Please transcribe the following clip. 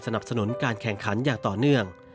สนุนการแข่งขันอย่างต่อเนื่อง